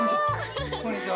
こんにちは。